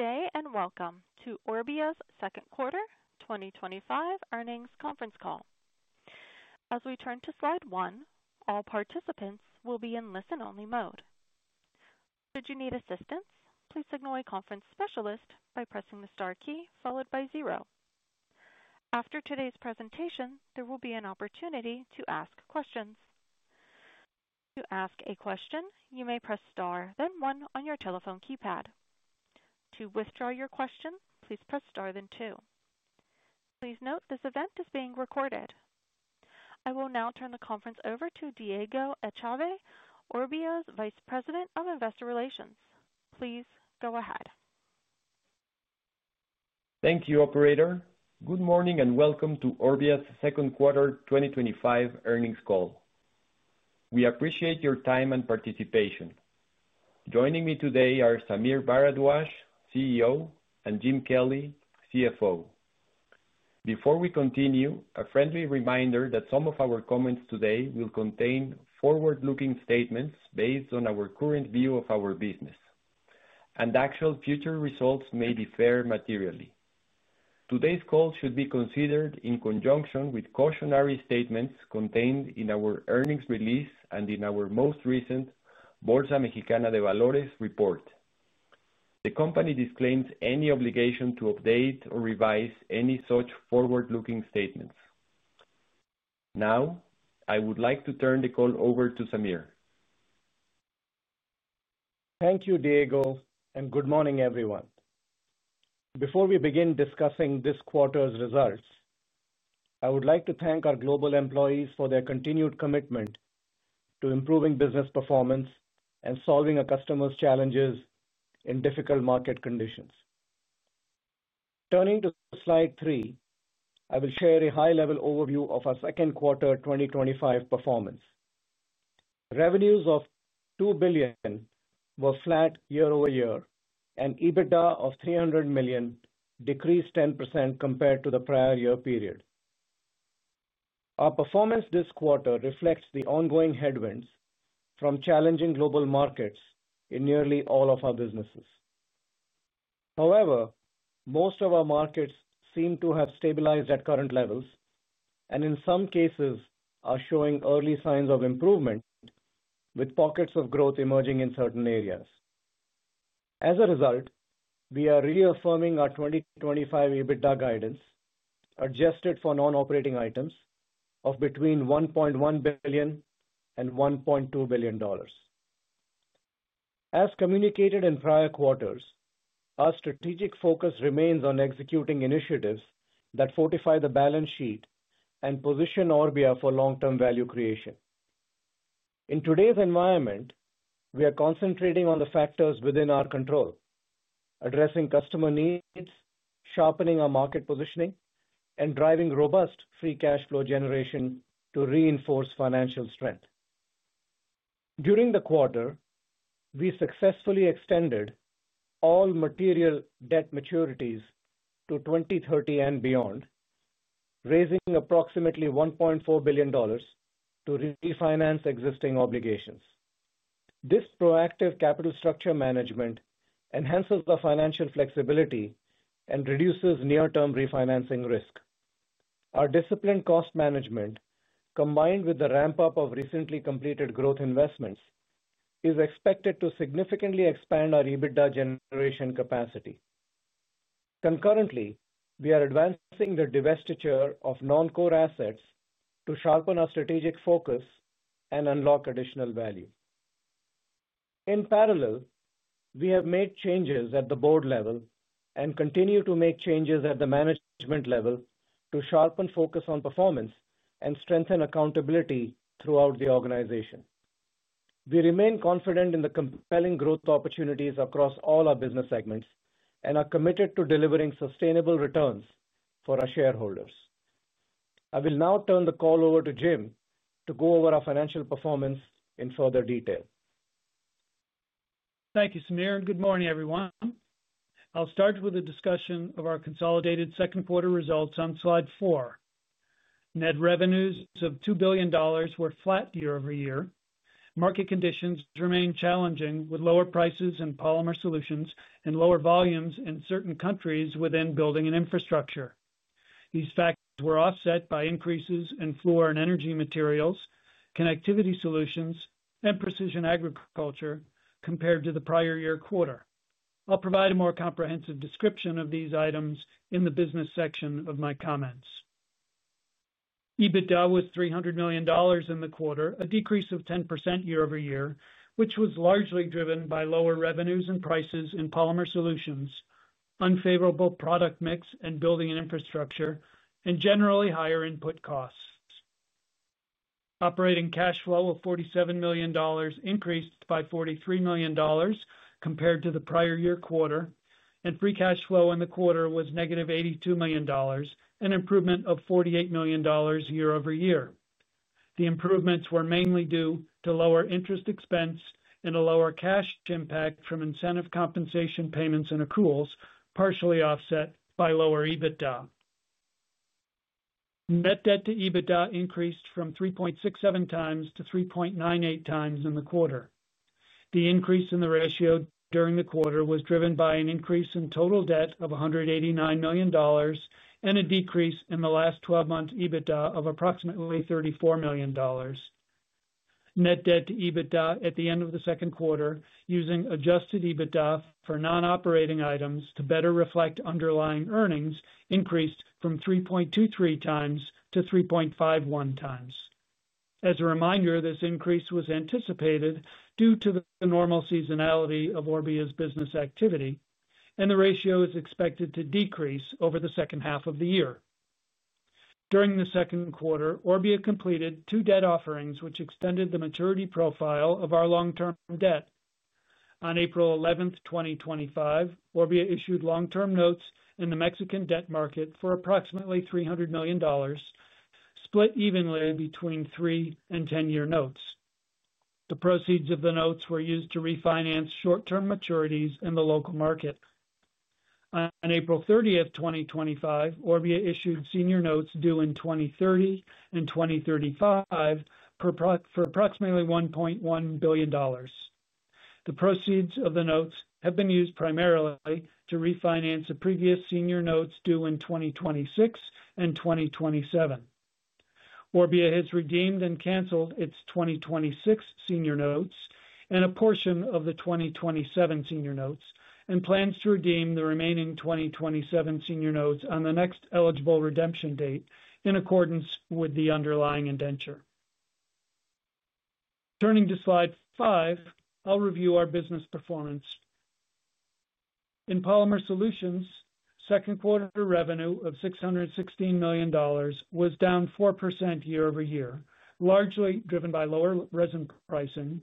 Today, and welcome to Orbia's second quarter 2025 earnings conference call. As we turn to slide one, all participants will be in listen-only mode. Should you need assistance, please signal a conference specialist by pressing the star key followed by zero. After today's presentation, there will be an opportunity to ask questions. To ask a question, you may press star, then one on your telephone keypad. To withdraw your question, please press star, then two. Please note this event is being recorded. I will now turn the conference over to Diego Echave, Orbia's Vice President of Investor Relations. Please go ahead. Thank you, operator. Good morning and welcome to Orbia's second quarter 2025 earnings call. We appreciate your time and participation. Joining me today are Sameer S. Bharadwaj, CEO, and Jim Kelly, CFO. Before we continue, a friendly reminder that some of our comments today will contain forward-looking statements based on our current view of our business, and actual future results may differ materially. Today's call should be considered in conjunction with cautionary statements contained in our earnings release and in our most recent Bolsa Mexicana de Valores report. The company disclaims any obligation to update or revise any such forward-looking statements. Now, I would like to turn the call over to Sameer. Thank you, Diego, and good morning, everyone. Before we begin discussing this quarter's results, I would like to thank our global employees for their continued commitment to improving business performance and solving our customers' challenges in difficult market conditions. Turning to slide three, I will share a high-level overview of our second quarter 2025 performance. Revenues of $2 billion were flat year over year, and EBITDA of $300 million decreased 10% compared to the prior year period. Our performance this quarter reflects the ongoing headwinds from challenging global markets in nearly all of our businesses. However, most of our markets seem to have stabilized at current levels, and in some cases, are showing early signs of improvement, with pockets of growth emerging in certain areas. As a result, we are reaffirming our 2025 EBITDA guidance, adjusted for non-operating items, of between $1.1 billion and $1.2 billion. As communicated in prior quarters, our strategic focus remains on executing initiatives that fortify the balance sheet and position Orbia for long-term value creation. In today's environment, we are concentrating on the factors within our control: addressing customer needs, sharpening our market positioning, and driving robust free cash flow generation to reinforce financial strength. During the quarter, we successfully extended all material debt maturities to 2030 and beyond, raising approximately $1.4 billion to refinance existing obligations. This proactive capital structure management enhances the financial flexibility and reduces near-term refinancing risk. Our disciplined cost management, combined with the ramp-up of recently completed growth investments, is expected to significantly expand our EBITDA generation capacity. Concurrently, we are advancing the divestiture of non-core assets to sharpen our strategic focus and unlock additional value. In parallel, we have made changes at the board level and continue to make changes at the management level to sharpen focus on performance and strengthen accountability throughout the organization. We remain confident in the compelling growth opportunities across all our business segments and are committed to delivering sustainable returns for our shareholders. I will now turn the call over to Jim to go over our financial performance in further detail. Thank you, Sameer. Good morning, everyone. I'll start with a discussion of our consolidated second quarter results on slide four. Net revenues of $2 billion were flat year over year. Market conditions remain challenging with lower prices in polymer solutions and lower volumes in certain countries within building & infrastructure. These factors were offset by increases in Fluor & Energy Materials, connectivity solutions, and precision agriculture compared to the prior year quarter. I'll provide a more comprehensive description of these items in the business section of my comments. EBITDA was $300 million in the quarter, a decrease of 10% year over year, which was largely driven by lower revenues and prices in polymer solutions, unfavorable product mix in building & infrastructure, and generally higher input costs. Operating cash flow of $47 million increased by $43 million compared to the prior year quarter, and free cash flow in the quarter was -$82 million, an improvement of $48 million year-over-year. The improvements were mainly due to lower interest expense and a lower cash impact from incentive compensation payments and accruals, partially offset by lower EBITDA. Net debt to EBITDA increased from 3.67 times-3.98 times in the quarter. The increase in the ratio during the quarter was driven by an increase in total debt of $189 million and a decrease in the last 12 months EBITDA of approximately $34 million. Net debt to adjusted EBITDA at the end of the second quarter, using adjusted EBITDA for non-operating items to better reflect underlying earnings, increased from 3.23 times-3.51 times. As a reminder, this increase was anticipated due to the normal seasonality of Orbia's business activity, and the ratio is expected to decrease over the second half of the year. During the second quarter, Orbia completed two debt offerings, which extended the maturity profile of our long-term debt. On April 11th, 2025, Orbia issued long-term notes in the Mexican debt market for approximately $300 million, split evenly between three and ten-year notes. The proceeds of the notes were used to refinance short-term maturities in the local market. On April 30th, 2025, Orbia issued senior notes due in 2030 and 2035 for approximately $1.1 billion. The proceeds of the notes have been used primarily to refinance the previous senior notes due in 2026 and 2027. Orbia has redeemed and canceled its 2026 senior notes and a portion of the 2027 senior notes and plans to redeem the remaining 2027 senior notes on the next eligible redemption date in accordance with the underlying indenture. Turning to slide five, I'll review our business performance. In polymer solutions, second quarter revenue of $616 million was down 4% year-over-year, largely driven by lower resin pricing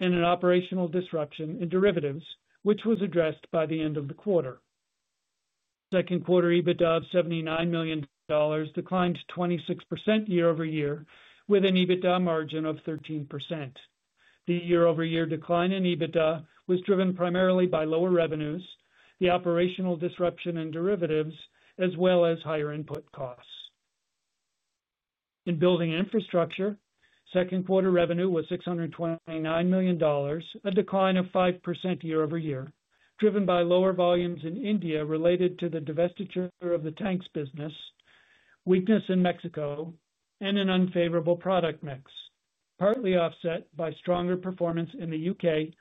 and an operational disruption in derivatives, which was addressed by the end of the quarter. Second quarter EBITDA of $79 million declined 26% year-over-year, with an EBITDA margin of 13%. The year-over-year decline in EBITDA was driven primarily by lower revenues, the operational disruption in derivatives, as well as higher input costs. In building & infrastructure, second quarter revenue was $629 million, a decline of 5% year-over-year, driven by lower volumes in India related to the divestiture of the tanks business, weakness in Mexico, and an unfavorable product mix, partly offset by stronger performance in the U.K.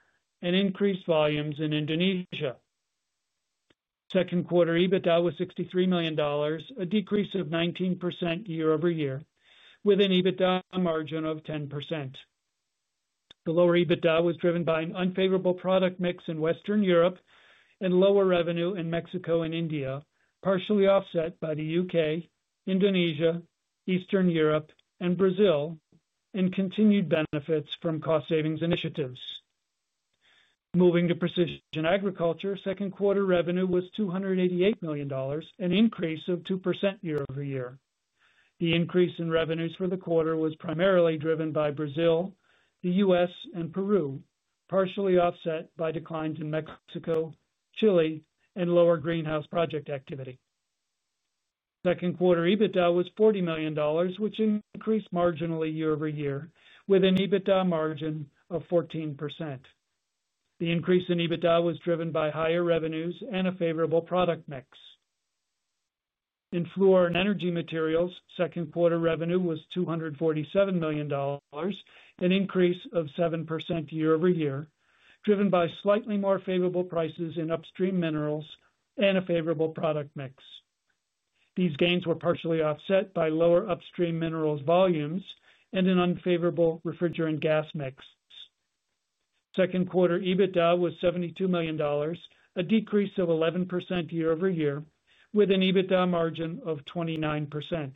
and increased volumes in Indonesia. Second quarter EBITDA was $63 million, a decrease of 19% year-over-year, with an EBITDA margin of 10%. The lower EBITDA was driven by an unfavorable product mix in Western Europe and lower revenue in Mexico and India, partially offset by the U.K., Indonesia, Eastern Europe, and Brazil, and continued benefits from cost-savings initiatives. Moving to precision agriculture, second quarter revenue was $288 million, an increase of 2% year-over-year. The increase in revenues for the quarter was primarily driven by Brazil, the U.S., and Peru, partially offset by declines in Mexico, Chile, and lower greenhouse project activity. Second quarter EBITDA was $40 million, which increased marginally year over year, with an EBITDA margin of 14%. The increase in EBITDA was driven by higher revenues and a favorable product mix. In Fluor & Energy Materials, second quarter revenue was $247 million, an increase of 7% year-over-year, driven by slightly more favorable prices in upstream minerals and a favorable product mix. These gains were partially offset by lower upstream minerals volumes and an unfavorable refrigerant gas mix. Second quarter EBITDA was $72 million, a decrease of 11% year-over-year, with an EBITDA margin of 29%.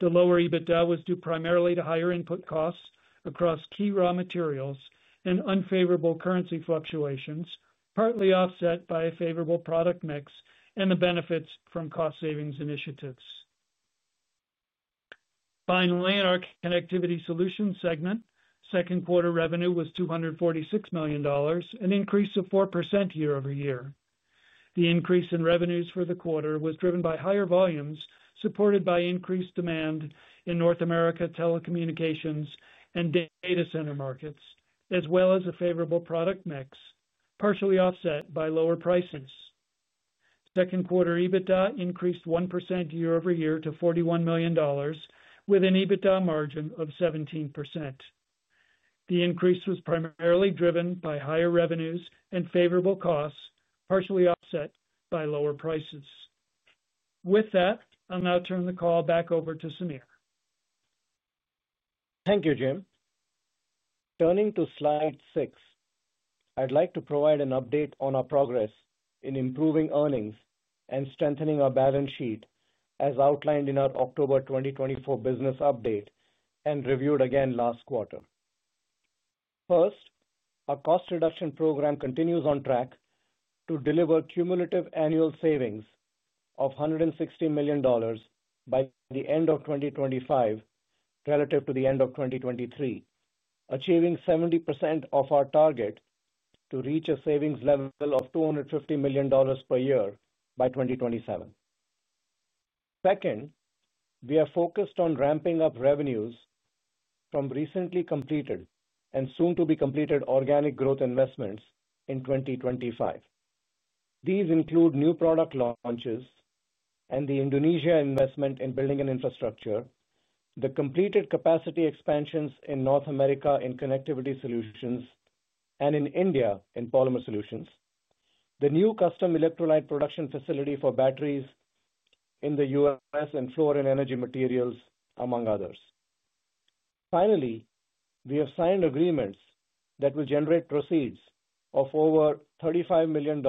The lower EBITDA was due primarily to higher input costs across key raw materials and unfavorable currency fluctuations, partly offset by a favorable product mix and the benefits from cost-savings initiatives. In the Connectivity Solutions segment, second quarter revenue was $246 million, an increase of 4% year-over-year. The increase in revenues for the quarter was driven by higher volumes supported by increased demand in North America telecommunications and data center markets, as well as a favorable product mix, partially offset by lower prices. Second quarter EBITDA increased 1% year-over-year to $41 million, with an EBITDA margin of 17%. The increase was primarily driven by higher revenues and favorable costs, partially offset by lower prices. With that, I'll now turn the call back over to Sameer. Thank you, Jim. Turning to slide six, I'd like to provide an update on our progress in improving earnings and strengthening our balance sheet, as outlined in our October 2024 business update and reviewed again last quarter. First, our cost reduction program continues on track to deliver cumulative annual savings of $160 million by the end of 2025, relative to the end of 2023, achieving 70% of our target to reach a savings level of $250 million per year by 2027. Second, we are focused on ramping up revenues from recently completed and soon to be completed organic growth investments in 2025. These include new product launches and the Indonesia investment in Building & Infrastructure, the completed capacity expansions in North America in Connectivity Solutions, and in India in Polymer Solutions, the new custom electrolyte production facility for batteries in the U.S., and Fluor & Energy Materials, among others. Finally, we have signed agreements that will generate proceeds of over $35 million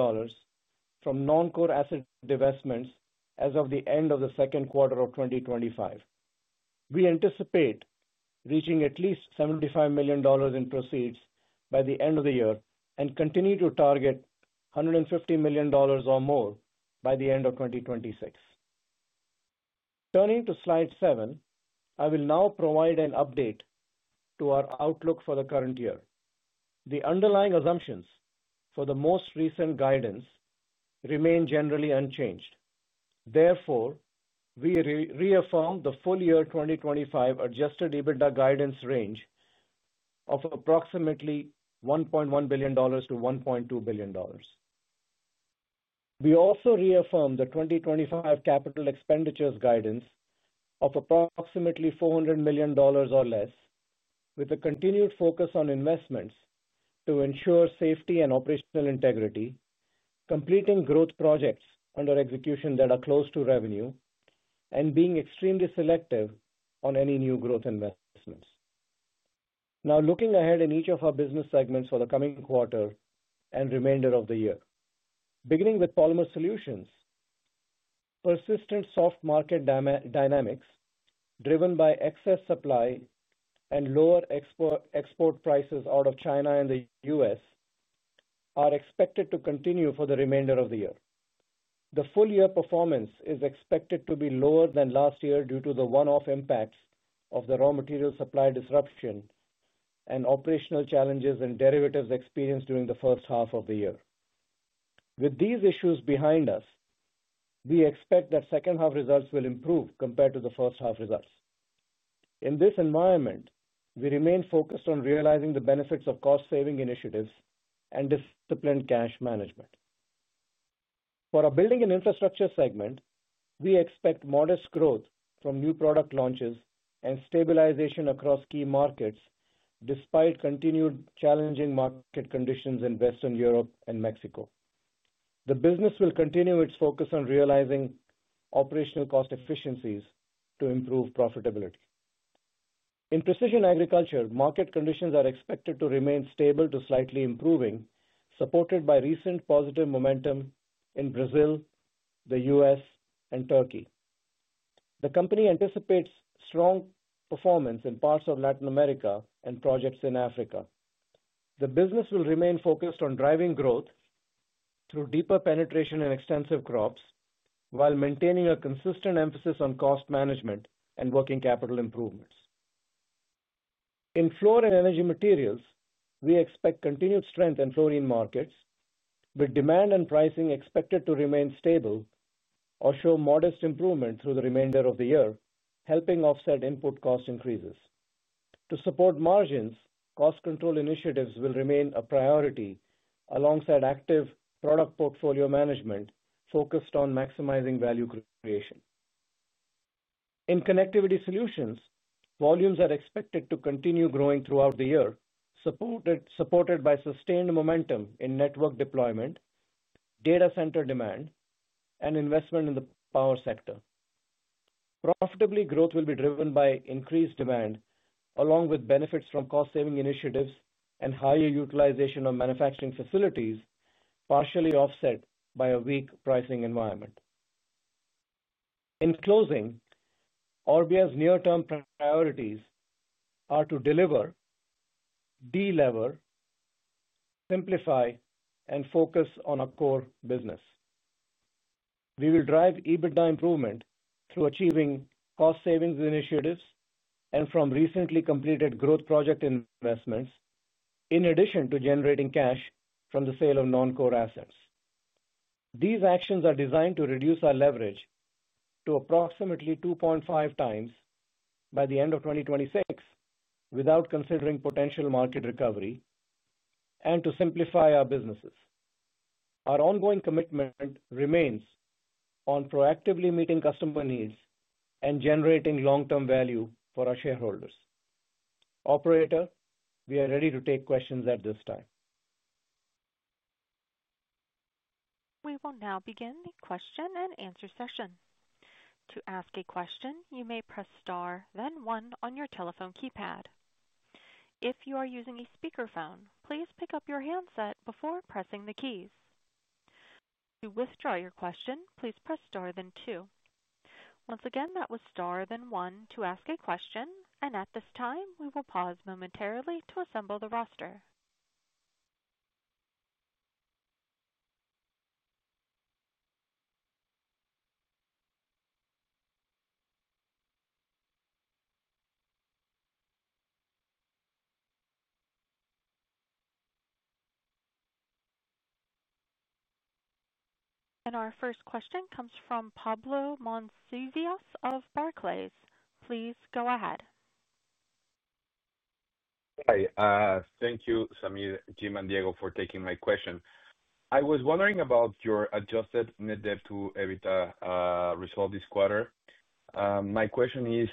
from non-core asset divestments as of the end of the second quarter of 2025. We anticipate reaching at least $75 million in proceeds by the end of the year and continue to target $150 million or more by the end of 2026. Turning to slide seven, I will now provide an update to our outlook for the current year. The underlying assumptions for the most recent guidance remain generally unchanged. Therefore, we reaffirm the full year 2025 adjusted EBITDA guidance range of approximately $1.1 billion-$1.2 billion. We also reaffirm the 2025 capital expenditures guidance of approximately $400 million or less, with a continued focus on investments to ensure safety and operational integrity, completing growth projects under execution that are close to revenue, and being extremely selective on any new growth investments. Now, looking ahead in each of our business segments for the coming quarter and remainder of the year, beginning with Polymer Solutions, persistent soft market dynamics driven by excess supply and lower export prices out of China and the U.S. are expected to continue for the remainder of the year. The full year performance is expected to be lower than last year due to the one-off impacts of the raw material supply disruption and operational challenges and derivatives experienced during the first half of the year. With these issues behind us, we expect that second half results will improve compared to the first half results. In this environment, we remain focused on realizing the benefits of cost-saving initiatives and disciplined cash management. For our Building & Infrastructure segment, we expect modest growth from new product launches and stabilization across key markets, despite continued challenging market conditions in Western Europe and Mexico. The business will continue its focus on realizing operational cost efficiencies to improve profitability. In Precision Agriculture, market conditions are expected to remain stable to slightly improving, supported by recent positive momentum in Brazil, the U.S., and Turkey. The company anticipates strong performance in parts of Latin America and projects in Africa. The business will remain focused on driving growth through deeper penetration in extensive crops, while maintaining a consistent emphasis on cost management and working capital improvements. In Fluor & Energy Materials, we expect continued strength in flooring markets, with demand and pricing expected to remain stable or show modest improvement through the remainder of the year, helping offset input cost increases. To support margins, cost control initiatives will remain a priority, alongside active product portfolio management focused on maximizing value creation. In Connectivity Solutions, volumes are expected to continue growing throughout the year, supported by sustained momentum in network deployment, data center demand, and investment in the power sector. Profitability growth will be driven by increased demand, along with benefits from cost-saving initiatives and higher utilization of manufacturing facilities, partially offset by a weak pricing environment. In closing, Orbia's near-term priorities are to deliver, deliver, simplify, and focus on our core business. We will drive EBITDA improvement through achieving cost-savings initiatives and from recently completed growth project investments, in addition to generating cash from the sale of non-core assets. These actions are designed to reduce our leverage to approximately 2.5 times by the end of 2026, without considering potential market recovery, and to simplify our businesses. Our ongoing commitment remains on proactively meeting customer needs and generating long-term value for our shareholders. Operator, we are ready to take questions at this time. We will now begin the question-and-answer session. To ask a question, you may press star, then one on your telephone keypad. If you are using a speakerphone, please pick up your handset before pressing the keys. To withdraw your question, please press star, then two. Once again, that was star, then one to ask a question. At this time, we will pause momentarily to assemble the roster. Our first question comes from Pablo Monsivais of Barclays. Please go ahead. Hi. Thank you, Sameer, Jim, and Diego, for taking my question. I was wondering about your adjusted net debt to EBITDA result this quarter. My question is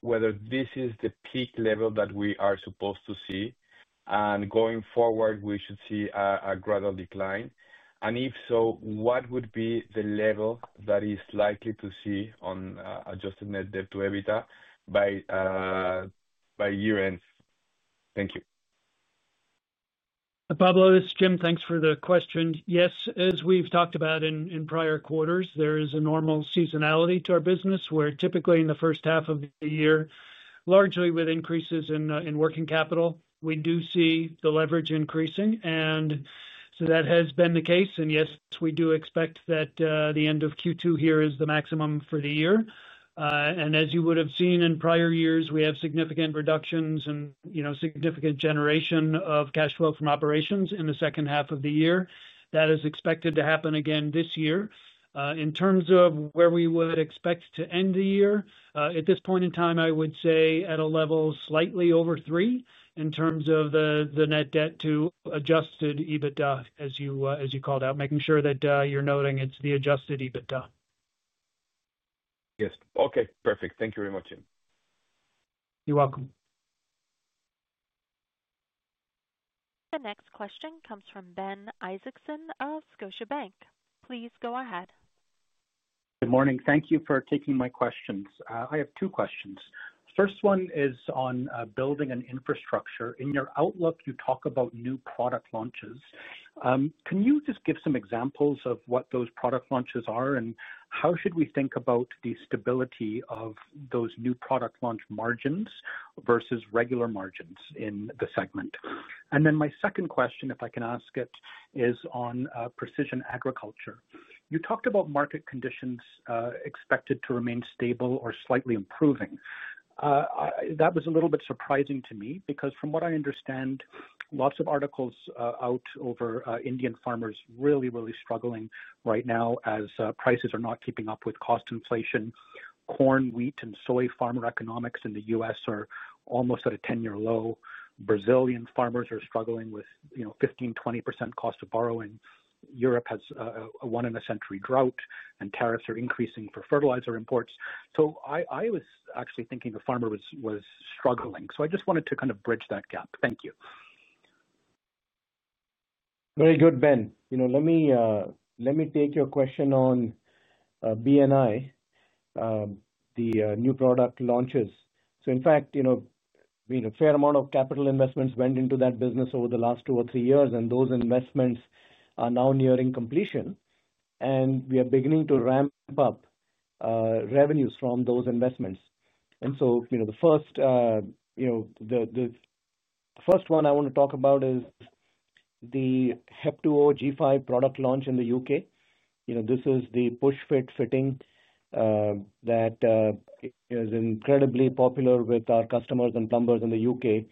whether this is the peak level that we are supposed to see, and going forward, we should see a gradual decline. If so, what would be the level that is likely to see on adjusted net debt to EBITDA by year end? Thank you. Pablo, this is Jim. Thanks for the question. Yes, as we've talked about in prior quarters, there is a normal seasonality to our business, where typically in the first half of the year, largely with increases in working capital, we do see the leverage increasing. That has been the case. Yes, we do expect that the end of Q2 here is the maximum for the year. As you would have seen in prior years, we have significant reductions and significant generation of cash flow from operations in the second half of the year. That is expected to happen again this year. In terms of where we would expect to end the year, at this point in time, I would say at a level slightly over 3 in terms of the net debt to adjusted EBITDA, as you called out, making sure that you're noting it's the adjusted EBITDA. Yes, okay. Perfect. Thank you very much, Jim. You're welcome. The next question comes from Ben Isaacson of Scotiabank. Please go ahead. Good morning. Thank you for taking my questions. I have two questions. The first one is on Building & Infrastructure. In your outlook, you talk about new product launches. Can you just give some examples of what those product launches are, and how should we think about the stability of those new product launch margins versus regular margins in the segment? My second question, if I can ask it, is on Precision Agriculture. You talked about market conditions expected to remain stable or slightly improving. That was a little bit surprising to me because from what I understand, lots of articles out over Indian farmers really, really struggling right now as prices are not keeping up with cost inflation. Corn, wheat, and soy farmer economics in the U.S. are almost at a 10-year low. Brazilian farmers are struggling with 15%, 20% cost of borrowing. Europe has a one-in-a-century drought, and tariffs are increasing for fertilizer imports. I was actually thinking a farmer was struggling. I just wanted to kind of bridge that gap. Thank you. Very good, Ben. Let me take your question on B&I, the new product launches. In fact, a fair amount of capital investments went into that business over the last two or three years, and those investments are now nearing completion. We are beginning to ramp up revenues from those investments. The first one I want to talk about is the Hep2O G5 product launch in the U.K. This is the push-fit fitting that is incredibly popular with our customers and plumbers in the U.K.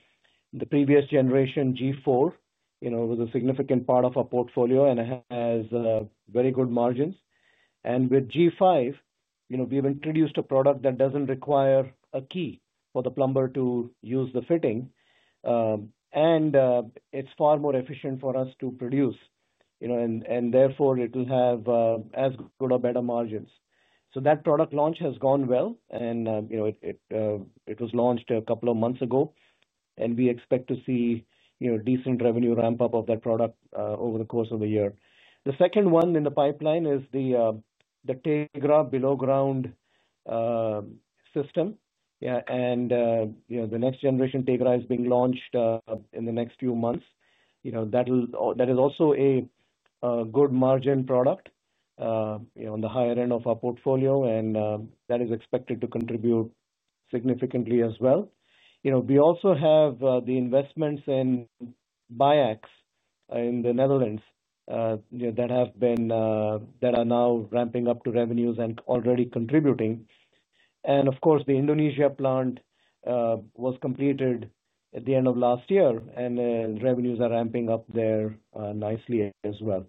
The previous generation G4 was a significant part of our portfolio and has very good margins. With G5, we've introduced a product that doesn't require a key for the plumber to use the fitting. It's far more efficient for us to produce, and therefore it'll have as good or better margins. That product launch has gone well, it was launched a couple of months ago, and we expect to see decent revenue ramp-up of that product over the course of the year. The second one in the pipeline is the Tegra below-ground system. The next generation Tegra is being launched in the next few months. That is also a good margin product, on the higher end of our portfolio, and that is expected to contribute significantly as well. We also have the investments in BIAX in the Netherlands that are now ramping up to revenues and already contributing. The Indonesia plant was completed at the end of last year, and revenues are ramping up there nicely as well.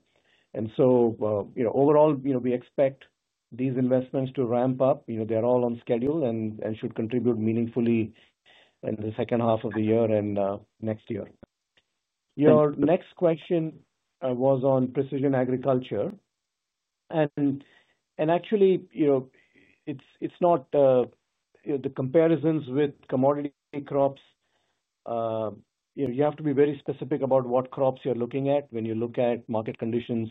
Overall, we expect these investments to ramp up. They're all on schedule and should contribute meaningfully in the second half of the year and next year. Your next question was on precision agriculture. Actually, it's not the comparisons with commodity crops. You have to be very specific about what crops you're looking at when you look at market conditions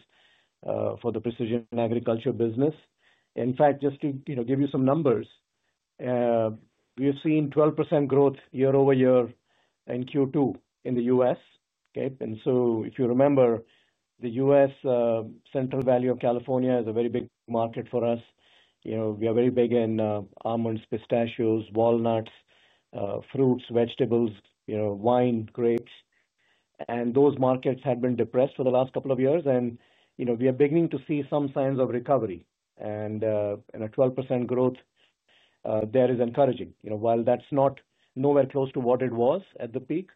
for the precision agriculture business. In fact, just to give you some numbers, we have seen 12% growth year-over-year in Q2 in the U.S. If you remember, the U.S. Central Valley of California is a very big market for us. We are very big in almonds, pistachios, walnuts, fruits, vegetables, wine, grapes. Those markets had been depressed for the last couple of years, and we are beginning to see some signs of recovery. A 12% growth there is encouraging. While that's not nowhere close to what it was at the peak,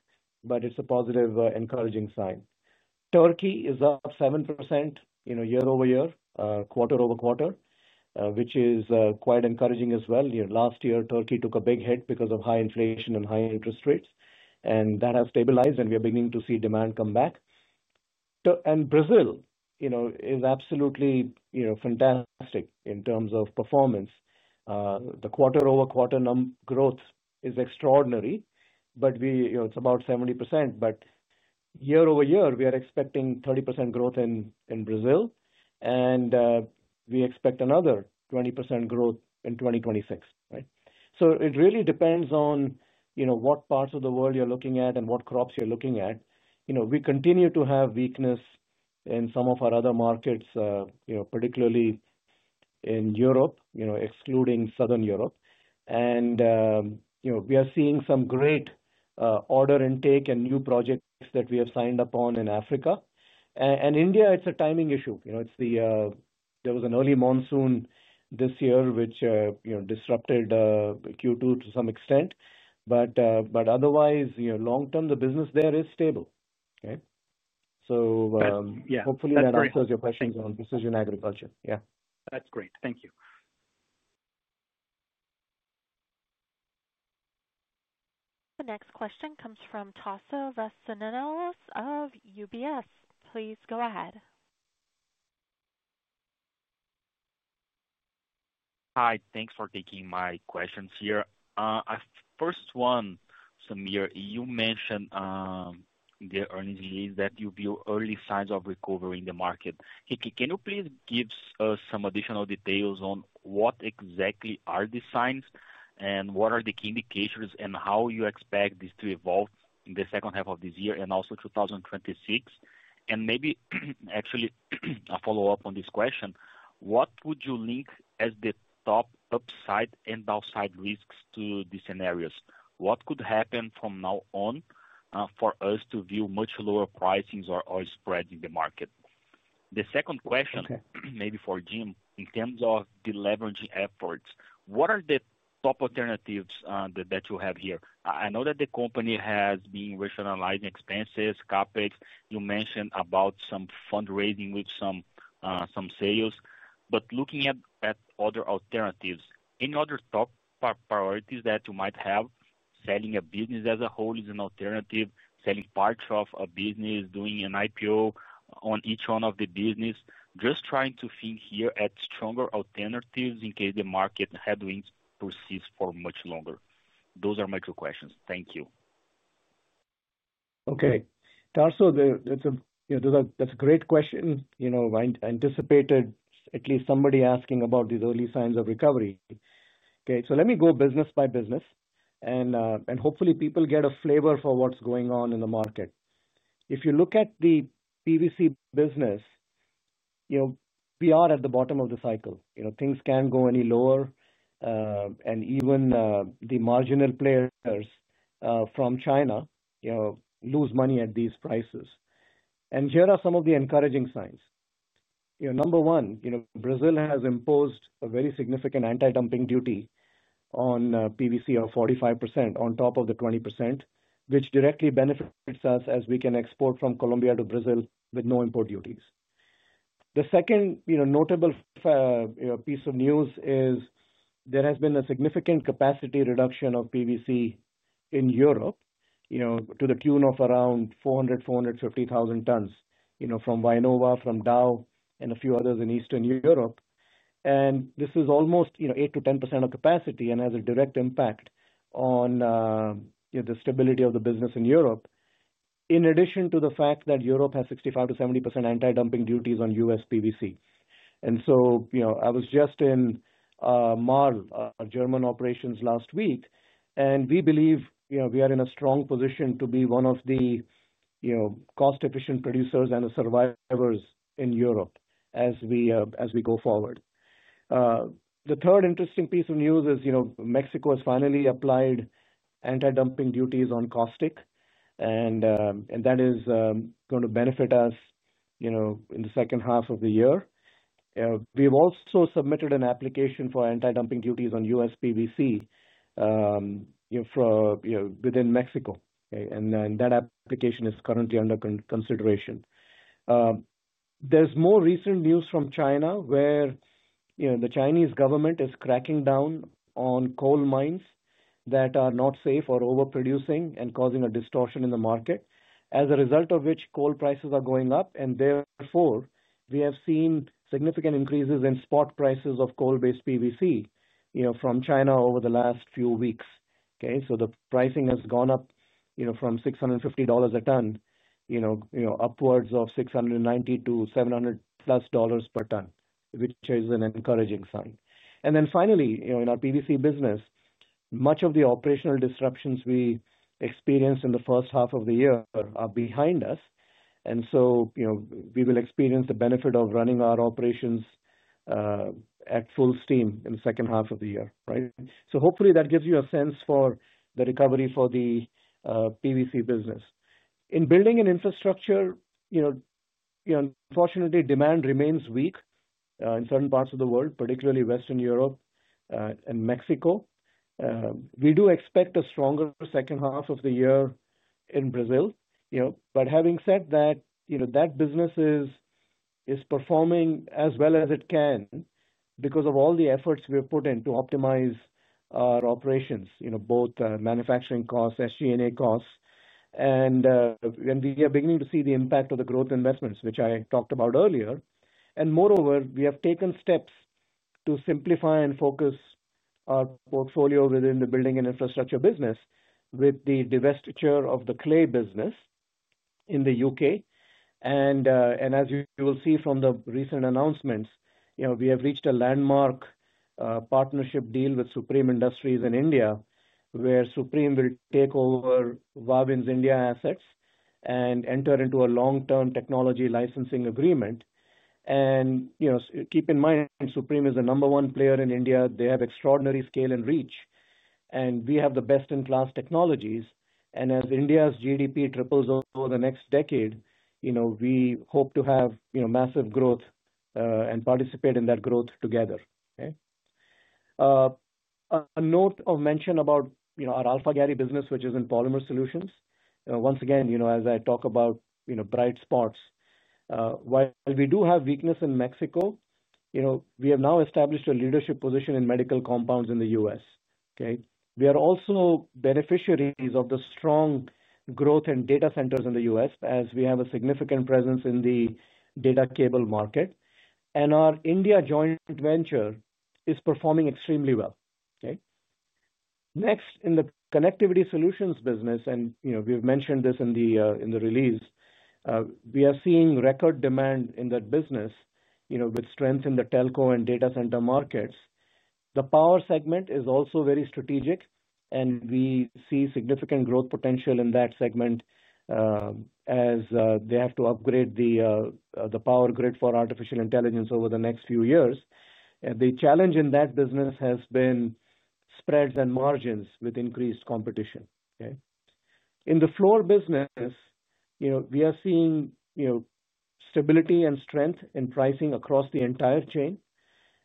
it's a positive, encouraging sign. Turkey is up 7% year-over-year, quarter-over-quarter, which is quite encouraging as well. Last year, Turkey took a big hit because of high inflation and high interest rates, and that has stabilized, and we are beginning to see demand come back. Brazil is absolutely fantastic in terms of performance. The quarter over quarter growth is extraordinary, it's about 70% year-over-year, we are expecting 30% growth in Brazil, and we expect another 20% growth in 2026. It really depends on what parts of the world you're looking at and what crops you're looking at. We continue to have weakness in some of our other markets, particularly in Europe, excluding Southern Europe. We are seeing some great order intake and new projects that we have signed up on in Africa. In India, it's a timing issue. There was an early monsoon this year, which disrupted Q2 to some extent. Otherwise, long term, the business there is stable. Hopefully that answers your questions on precision agriculture. That's great. Thank you. The next question comes from Tasso Vasconcellos of UBS. Please go ahead. Hi. Thanks for taking my questions here. First one, Sameer, you mentioned in the earnings release that you view early signs of recovery in the market. Can you please give us some additional details on what exactly are the signs and what are the key indicators and how you expect this to evolve in the second half of this year and also 2026? Maybe actually a follow-up on this question. What would you link as the top upside and downside risks to these scenarios? What could happen from now on, for us to view much lower pricings or spread in the market? The second question, maybe for Jim, in terms of the deleveraging efforts, what are the top alternatives that you have here? I know that the company has been rationalizing expenses, CapEx. You mentioned about some fundraising with some sales. Looking at other alternatives, any other top priorities that you might have? Selling a business as a whole is an alternative. Selling parts of a business, doing an IPO on each one of the business. Just trying to think here at stronger alternatives in case the market headwinds persist for much longer. Those are my two questions. Thank you. Okay. Tasso, that's a great question. I anticipated at least somebody asking about these early signs of recovery. Let me go business by business, and hopefully people get a flavor for what's going on in the market. If you look at the PVC business, we are at the bottom of the cycle. Things can't go any lower. Even the marginal players from China lose money at these prices. Here are some of the encouraging signs. Number one, Brazil has imposed a very significant anti-dumping duty on PVC of 45% on top of the 20%, which directly benefits us as we can export from Colombia to Brazil with no import duties. The second notable piece of news is there has been a significant capacity reduction of PVC in Europe, to the tune of around 400,000-450,000 tons, from Vainova, from Dow, and a few others in Eastern Europe. This is almost 8%-10% of capacity and has a direct impact on the stability of the business in Europe, in addition to the fact that Europe has 65%-70% anti-dumping duties on U.S. PVC. I was just in Marl, our German operations last week, and we believe we are in a strong position to be one of the cost-efficient producers and the survivors in Europe as we go forward. The third interesting piece of news is Mexico has finally applied anti-dumping duties on caustic, and that is going to benefit us in the second half of the year. We've also submitted an application for anti-dumping duties on U.S. PVC within Mexico. That application is currently under consideration. There's more recent news from China where the Chinese government is cracking down on coal mines that are not safe or overproducing and causing a distortion in the market, as a result of which coal prices are going up. Therefore, we have seen significant increases in spot prices of coal-based PVC from China over the last few weeks. The pricing has gone up from $650 a ton upwards of $690-$700+ per ton, which is an encouraging sign. Finally, in our PVC business, much of the operational disruptions we experienced in the first half of the year are behind us. We will experience the benefit of running our operations at full steam in the second half of the year. Hopefully that gives you a sense for the recovery for the PVC business. In Building & Infrastructure, unfortunately, demand remains weak in certain parts of the world, particularly Western Europe and Mexico. We do expect a stronger second half of the year in Brazil. Having said that, that business is performing as well as it can because of all the efforts we have put in to optimize our operations, both manufacturing costs, SG&A costs, and we are beginning to see the impact of the growth investments, which I talked about earlier. Moreover, we have taken steps to simplify and focus our portfolio within the Building & Infrastructure business with the divestiture of the clay business in the U.K. As you will see from the recent announcements, we have reached a landmark partnership deal with Supreme Industries in India, where Supreme will take over Wavin's India assets and enter into a long-term technology licensing agreement. Keep in mind, Supreme is the number one player in India. They have extraordinary scale and reach, and we have the best-in-class technologies. As India's GDP triples over the next decade, we hope to have massive growth and participate in that growth together. A note of mention about our Alphagary business, which is in Polymer Solutions. Once again, as I talk about bright spots, while we do have weakness in Mexico, we have now established a leadership position in medical compounds in the U.S. We are also beneficiaries of the strong growth in data centers in the U.S., as we have a significant presence in the data cable market. Our India joint venture is performing extremely well. Next, in the Connectivity Solutions business, and as we've mentioned in the release, we are seeing record demand in that business with strength in the telco and data center markets. The power segment is also very strategic, and we see significant growth potential in that segment as they have to upgrade the power grid for artificial intelligence over the next few years. The challenge in that business has been spreads and margins with increased competition. In the fluor business, we are seeing stability and strength in pricing across the entire chain.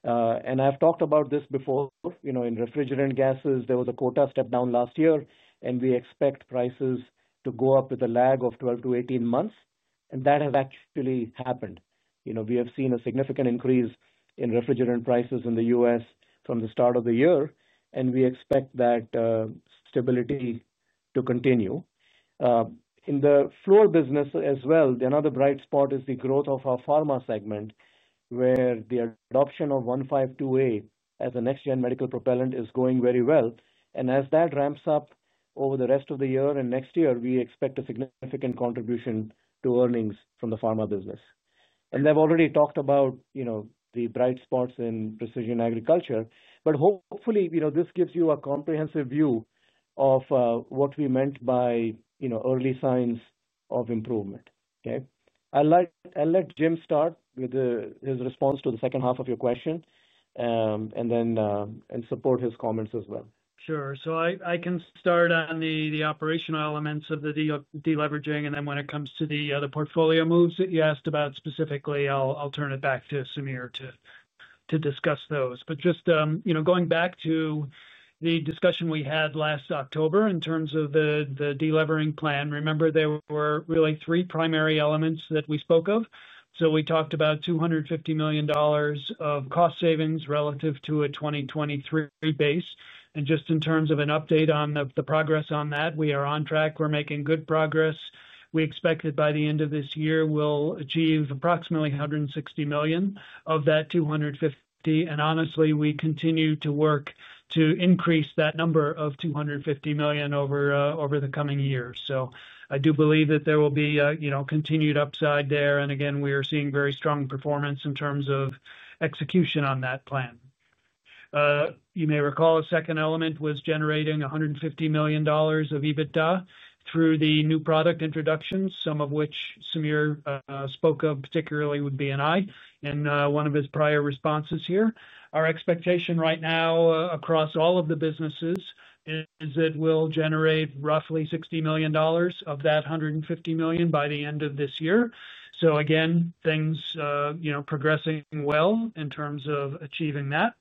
I've talked about this before, you know, in refrigerant gases, there was a quota step down last year, and we expect prices to go up with a lag of 12-18 months. That has actually happened. We have seen a significant increase in refrigerant prices in the U.S. from the start of the year, and we expect that stability to continue. In the fluor business as well, another bright spot is the growth of our pharma segment, where the adoption of 152a as a next-gen medical propellant is going very well. As that ramps up over the rest of the year and next year, we expect a significant contribution to earnings from the pharma business. I've already talked about the bright spots in precision agriculture, but hopefully, this gives you a comprehensive view of what we meant by early signs of improvement. I'll let Jim start with his response to the second half of your question, and then support his comments as well. Sure. I can start on the operational elements of the deleveraging, and then when it comes to the other portfolio moves that you asked about specifically, I'll turn it back to Sameer to discuss those. Just going back to the discussion we had last October in terms of the deleveraging plan, remember there were really three primary elements that we spoke of. We talked about $250 million of cost savings relative to a 2023 base. Just in terms of an update on the progress on that, we are on track. We're making good progress. We expect that by the end of this year, we'll achieve approximately $160 million of that $250 million. Honestly, we continue to work to increase that number of $250 million over the coming years. I do believe that there will be continued upside there. We are seeing very strong performance in terms of execution on that plan. You may recall a second element was generating $150 million of EBITDA through the new product introductions, some of which Sameer spoke of, particularly with B&I in one of his prior responses here. Our expectation right now across all of the businesses is that we'll generate roughly $60 million of that $150 million by the end of this year. Things are progressing well in terms of achieving that.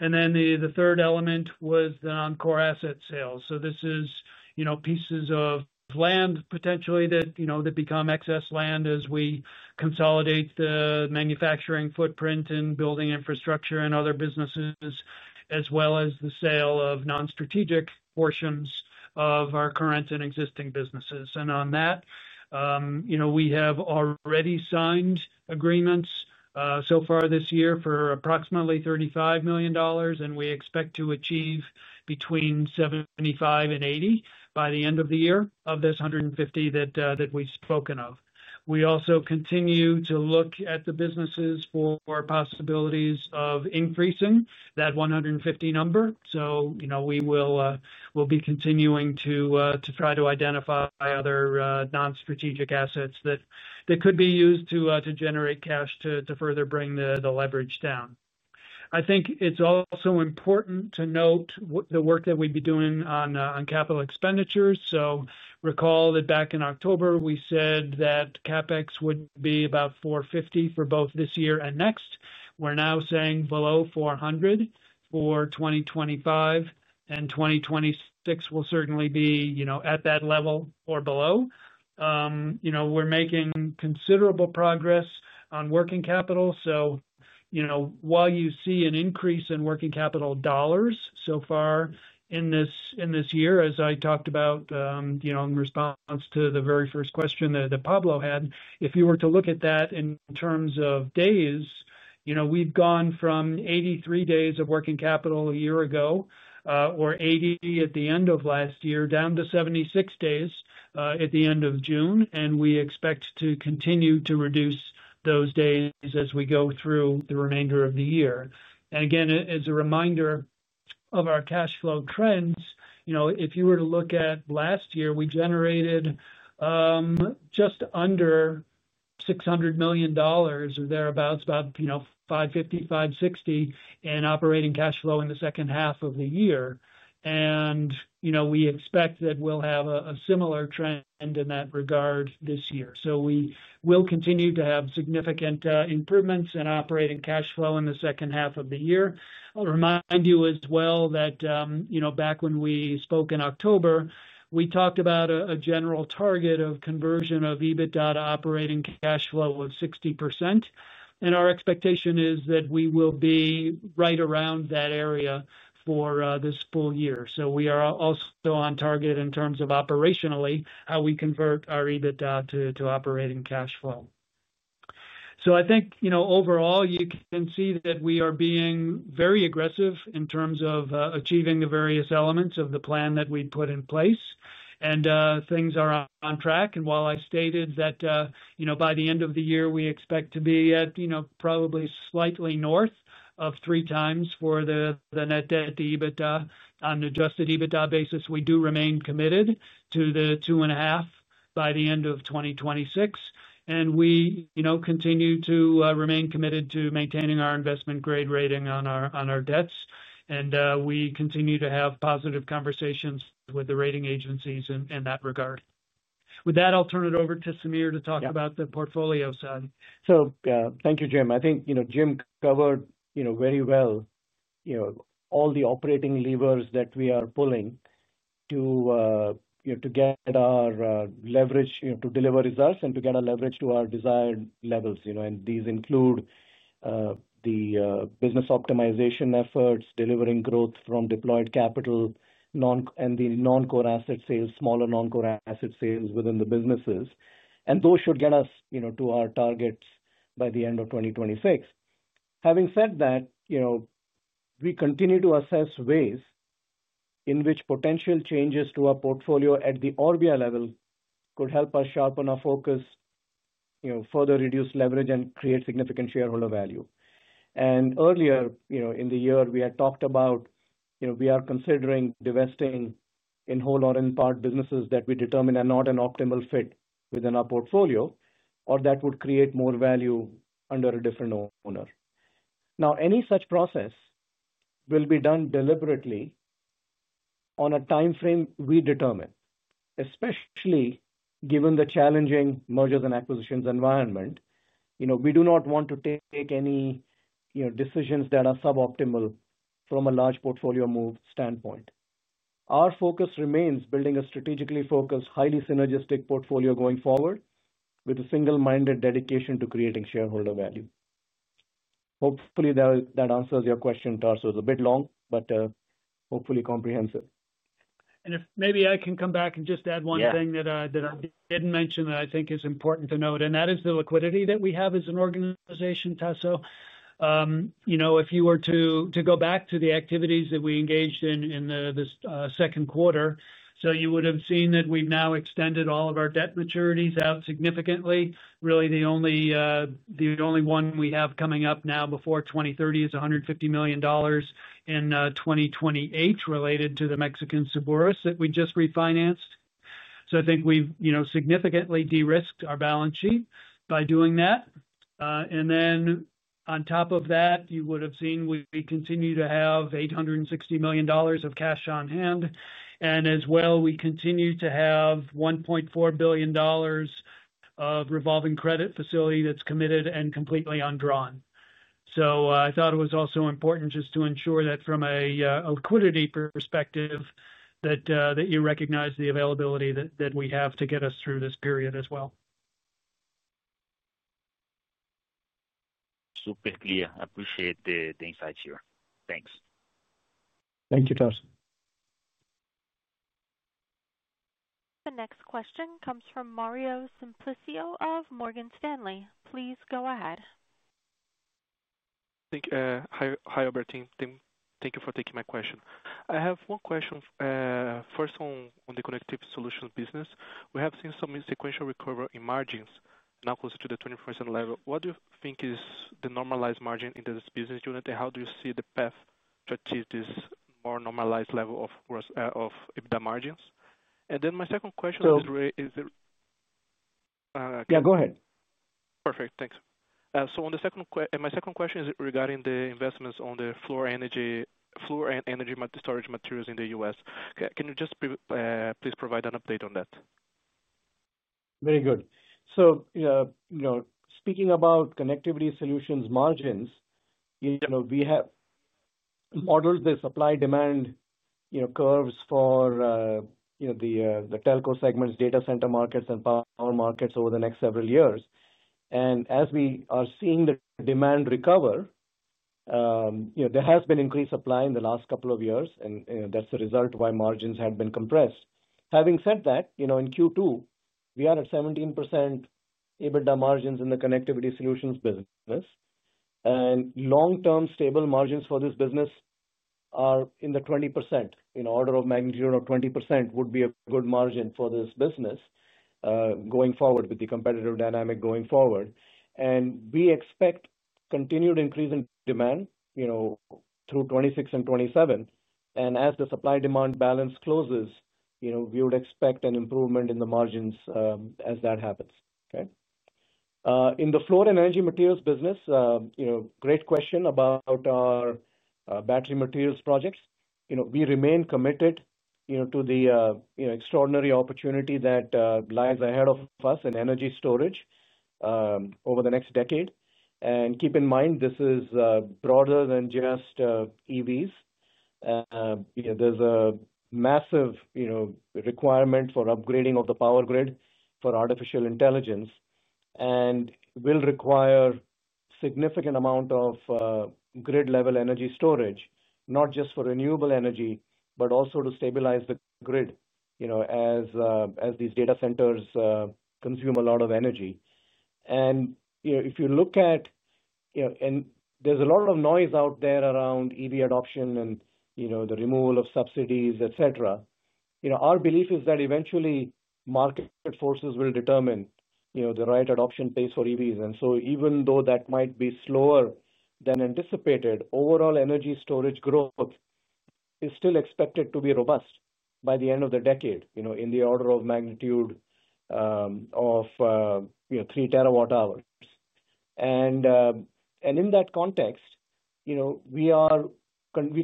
The third element was the non-core asset sales. This is pieces of land potentially that become excess land as we consolidate the manufacturing footprint in Building & Infrastructure and other businesses, as well as the sale of non-strategic portions of our current and existing businesses. On that, we have already signed agreements so far this year for approximately $35 million, and we expect to achieve between $75 million and $80 million by the end of the year of this $150 million that we've spoken of. We also continue to look at the businesses for possibilities of increasing that $150 million number. We will be continuing to try to identify other non-strategic assets that could be used to generate cash to further bring the leverage down. I think it's also important to note the work that we'd be doing on capital expenditures. Recall that back in October, we said that CapEx would be about $450 million for both this year and next. We're now saying below $400 million for 2025, and 2026 will certainly be at that level or below. We're making considerable progress on working capital. While you see an increase in working capital dollars so far in this year, as I talked about in response to the very first question that Pablo had, if you were to look at that in terms of days, we've gone from 83 days of working capital a year ago, or 80 at the end of last year, down to 76 days at the end of June. We expect to continue to reduce those days as we go through the remainder of the year. As a reminder of our cash flow trends, if you were to look at last year, we generated just under $600 million or thereabouts, about $550 million-$560 million in operating cash flow in the second half of the year. We expect that we'll have a similar trend in that regard this year. We will continue to have significant improvements in operating cash flow in the second half of the year. I'll remind you as well that back when we spoke in October, we talked about a general target of conversion of EBITDA to operating cash flow of 60%. Our expectation is that we will be right around that area for this full year. We are also on target in terms of operationally how we convert our EBITDA to operating cash flow. Overall, you can see that we are being very aggressive in terms of achieving the various elements of the plan that we put in place. Things are on track. While I stated that by the end of the year, we expect to be at probably slightly north of three times for the net debt to EBITDA on an adjusted EBITDA basis, we do remain committed to the two and a half by the end of 2026. We continue to remain committed to maintaining our investment grade rating on our debts. We continue to have positive conversations with the rating agencies in that regard. With that, I'll turn it over to Sameer to talk about the portfolio side. Thank you, Jim. I think Jim covered very well all the operating levers that we are pulling to get our leverage to deliver results and to get our leverage to our desired levels. These include the business optimization efforts, delivering growth from deployed capital, non-core and the non-core asset sales, smaller non-core asset sales within the businesses. Those should get us to our targets by the end of 2026. Having said that, we continue to assess ways in which potential changes to our portfolio at the Orbia level could help us sharpen our focus, further reduce leverage, and create significant shareholder value. Earlier in the year, we had talked about considering divesting in whole or in part businesses that we determine are not an optimal fit within our portfolio or that would create more value under a different owner. Any such process will be done deliberately on a timeframe we determine, especially given the challenging mergers and acquisitions environment. We do not want to take any decisions that are suboptimal from a large portfolio move standpoint. Our focus remains building a strategically focused, highly synergistic portfolio going forward with a single-minded dedication to creating shareholder value. Hopefully, that answers your question, Tasso. It was a bit long, but hopefully comprehensive. If I can come back and just add one thing that I didn't mention that I think is important to note, that is the liquidity that we have as an organization, Tasso. If you were to go back to the activities that we engaged in in the second quarter, you would have seen that we've now extended all of our debt maturities out significantly. Really, the only one we have coming up now before 2030 is $150 million in 2028 related to the Mexican Suburus that we just refinanced. I think we've significantly de-risked our balance sheet by doing that. On top of that, you would have seen we continue to have $860 million of cash on hand. As well, we continue to have $1.4 billion of revolving credit facility that's committed and completely undrawn. I thought it was also important just to ensure that from a liquidity perspective you recognize the availability that we have to get us through this period as well. Super clear. I appreciate the insights here. Thanks. Thank you, Tasso. The next question comes from Mario Simplicio of Morgan Stanley. Please go ahead. Thank you. Hi, Team. Thank you for taking my question. I have one question. First, on the connectivity solutions business, we have seen some sequential recovery in margins, now closer to the 20% level. What do you think is the normalized margin in this business unit, and how do you see the path to achieve this more normalized level of EBITDA margins? My second question is... Yeah, go ahead. Perfect. Thanks. My second question is regarding the investments on the Fluor & Energy Materials in the U.S. Can you just please provide an update on that? Very good. Speaking about connectivity solutions margins, we have modeled the supply-demand curves for the telco segments, data center markets, and power markets over the next several years. As we are seeing the demand recover, there has been increased supply in the last couple of years, and that's the result why margins had been compressed. Having said that, in Q2, we are at 17% EBITDA margins in the connectivity solutions business. Long-term stable margins for this business are in the 20%. An order of magnitude of 20% would be a good margin for this business going forward with the competitive dynamic going forward. We expect continued increase in demand through 2026 and 2027. As the supply-demand balance closes, we would expect an improvement in the margins as that happens. In the Fluor & Energy Materials business, great question about our battery materials projects. We remain committed to the extraordinary opportunity that lies ahead of us in energy storage over the next decade. Keep in mind, this is broader than just EVs. There is a massive requirement for upgrading of the power grid for artificial intelligence and will require a significant amount of grid-level energy storage, not just for renewable energy, but also to stabilize the grid as these data centers consume a lot of energy. If you look at, and there's a lot of noise out there around EV adoption and the removal of subsidies, et cetera, our belief is that eventually market forces will determine the right adoption pace for EVs. Even though that might be slower than anticipated, overall energy storage growth is still expected to be robust by the end of the decade, in the order of magnitude of three terawatt hours. In that context, we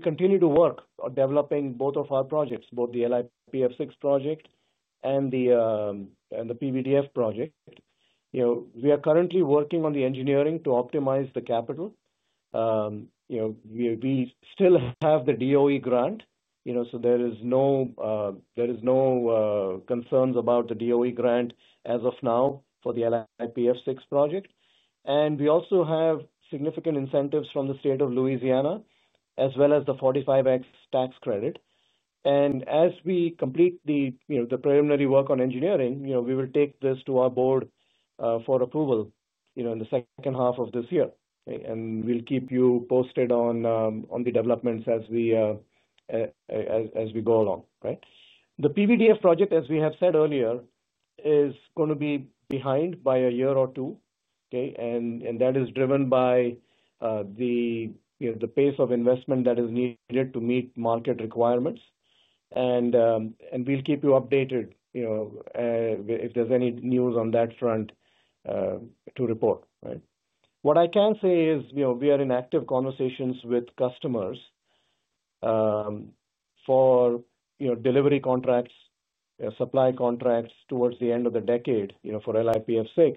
continue to work on developing both of our projects, both the LiPF6 project and the PVDF project. We are currently working on the engineering to optimize the capital. We still have the DOE grant, so there are no concerns about the DOE grant as of now for the LiPF6 project. We also have significant incentives from the state of Louisiana, as well as the 45X tax credit. As we complete the preliminary work on engineering, we will take this to our board for approval in the second half of this year. We'll keep you posted on the developments as we go along. The PVDF project, as we have said earlier, is going to be behind by a year or two. That is driven by the pace of investment that is needed to meet market requirements. We'll keep you updated if there's any news on that front to report. What I can say is we are in active conversations with customers for delivery contracts, supply contracts towards the end of the decade for LIPF6.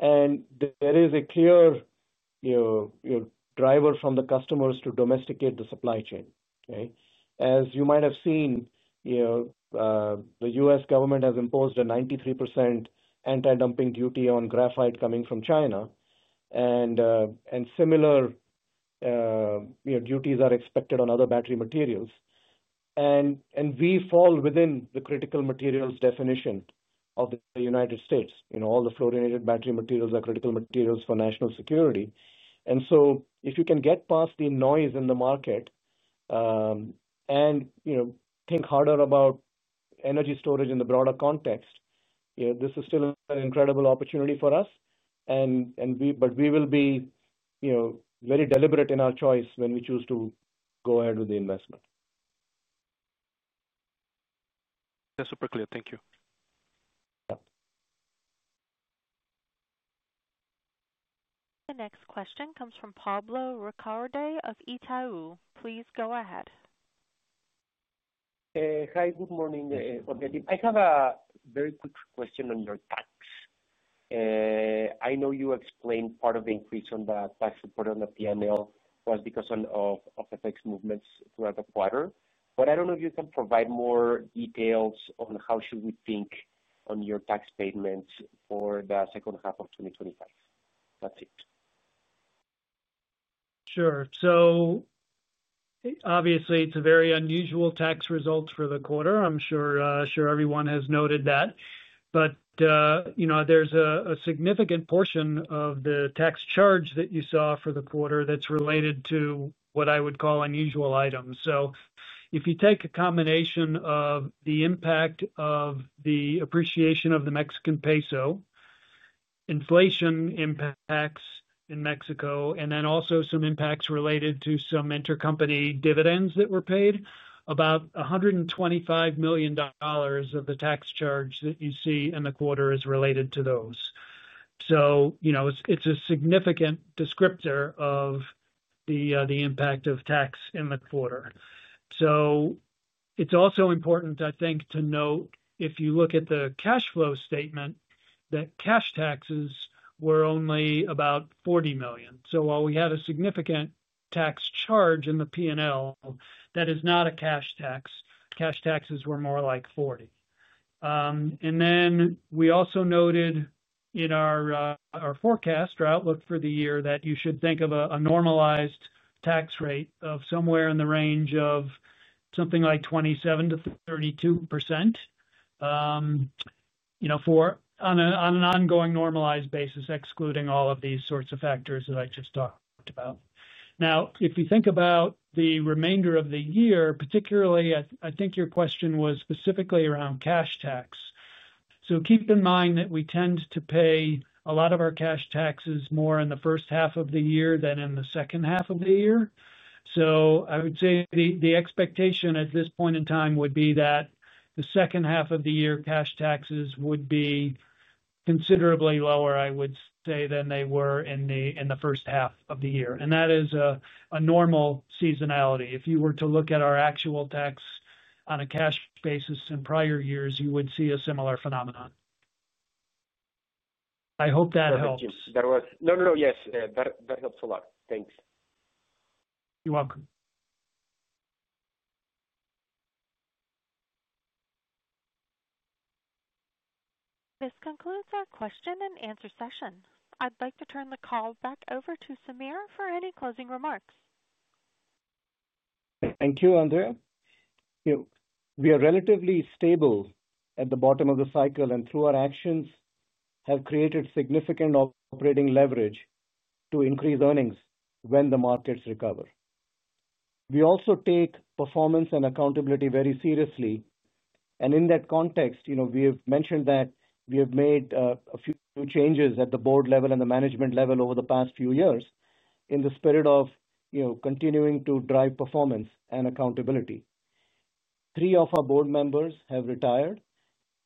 There is a clear driver from the customers to domesticate the supply chain. As you might have seen, the U.S. government has imposed a 93% anti-dumping duty on graphite coming from China. Similar duties are expected on other battery materials. We fall within the critical materials definition of the United States. All the fluorinated battery materials are critical materials for national security. If you can get past the noise in the market and think harder about energy storage in the broader context, this is still an incredible opportunity for us. We will be very deliberate in our choice when we choose to go ahead with the investment. That's super clear. Thank you. The next question comes from Pablo Ricarde of Itaú. Please go ahead. Hi. Good morning, Team. I have a very quick question on your tax. I know you explained part of the increase on the tax report on the P&L was because of the tax movements throughout the quarter, but I don't know if you can provide more details on how should we think on your tax payments for the second half of 2025. That's it. Sure. Obviously, it's a very unusual tax result for the quarter. I'm sure everyone has noted that. There's a significant portion of the tax charge that you saw for the quarter that's related to what I would call unusual items. If you take a combination of the impact of the appreciation of the Mexican peso, inflation impacts in Mexico, and then also some impacts related to some intercompany dividends that were paid, about $125 million of the tax charge that you see in the quarter is related to those. It's a significant descriptor of the impact of tax in the quarter. It's also important, I think, to note if you look at the cash flow statement that cash taxes were only about $40 million. While we had a significant tax charge in the P&L, that is not a cash tax. Cash taxes were more like $40 million. We also noted in our forecast or outlook for the year that you should think of a normalized tax rate of somewhere in the range of 27%-32% on an ongoing normalized basis, excluding all of these sorts of factors that I just talked about. If you think about the remainder of the year, particularly, I think your question was specifically around cash tax. Keep in mind that we tend to pay a lot of our cash taxes more in the first half of the year than in the second half of the year. I would say the expectation at this point in time would be that the second half of the year cash taxes would be considerably lower, I would say, than they were in the first half of the year. That is a normal seasonality. If you were to look at our actual tax on a cash basis in prior years, you would see a similar phenomenon. I hope that helps. Thank you. Yes, that helps a lot. Thanks. You're welcome. This concludes our question and answer session. I'd like to turn the call back over to Sameer for any closing remarks. Thank you, Andrea. We are relatively stable at the bottom of the cycle, and through our actions have created significant operating leverage to increase earnings when the markets recover. We also take performance and accountability very seriously. In that context, we have mentioned that we have made a few changes at the board level and the management level over the past few years in the spirit of continuing to drive performance and accountability. Three of our board members have retired,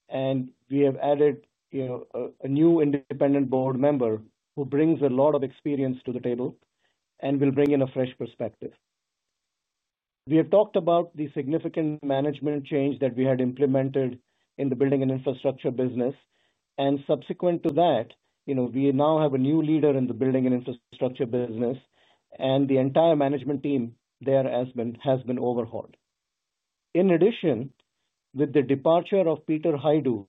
and we have added a new independent board member who brings a lot of experience to the table and will bring in a fresh perspective. We have talked about the significant management change that we had implemented in the Building & Infrastructure business. Subsequent to that, we now have a new leader in the Building & Infrastructure business, and the entire management team there has been overhauled. In addition, with the departure of Peter Hajdu,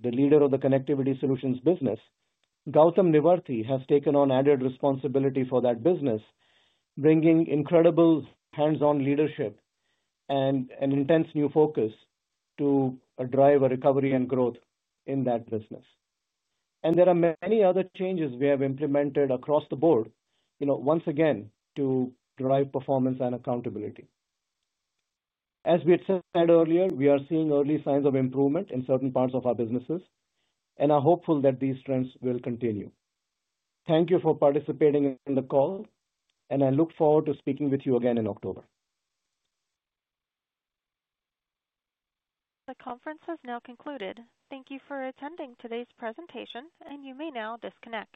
the leader of the Connectivity Solutions business, Gautam Nivarthy has taken on added responsibility for that business, bringing incredible hands-on leadership and an intense new focus to drive a recovery and growth in that business. There are many other changes we have implemented across the board, once again to drive performance and accountability. As we had said earlier, we are seeing early signs of improvement in certain parts of our businesses, and I'm hopeful that these trends will continue. Thank you for participating in the call, and I look forward to speaking with you again in October. The conference has now concluded. Thank you for attending today's presentation, and you may now disconnect.